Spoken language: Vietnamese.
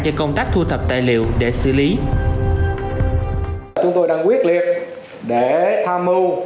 cho công tác thu thập tài liệu để xử lý chúng tôi đang quyết liệt để tham mưu